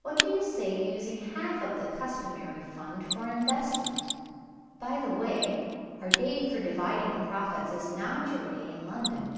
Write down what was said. What do you say to using half of the customary fund for investment? By the by, our day for dividing the profits is not your day in London.